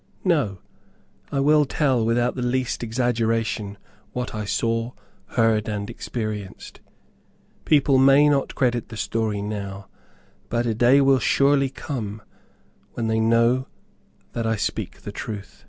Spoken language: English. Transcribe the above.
No. I will tell, without the least exaggeration what I saw, heard, and experienced. People may not credit the story now, but a day will surely come when they will know that I speak the truth.